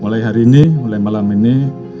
mulai hari ini mulai malam ini